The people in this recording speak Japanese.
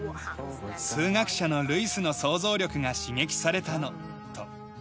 数学者のルイスの想像力が刺激されたのと。